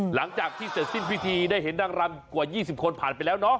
หลังจากที่เสร็จสิ้นพิธีได้เห็นนางรำกว่า๒๐คนผ่านไปแล้วเนาะ